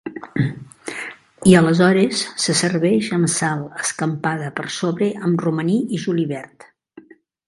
I aleshores se serveix amb sal escampada per sobre amb romaní i julivert.